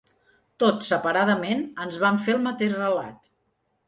Tots, separadament, ens van fer el mateix relat.